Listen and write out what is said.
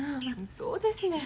そうですねん。